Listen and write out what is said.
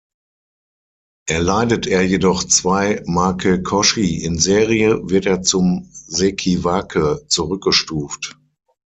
Erleidet er jedoch zwei Make-koshi in Serie, wird er zum Sekiwake zurückgestuft.